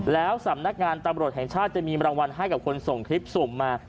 แล้วสำนักงานตำรวจแห่งชาติจะมีรางวัลให้กับคนส่งคลิปสุ่มมา